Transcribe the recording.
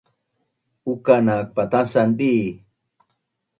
Uka nak patasan di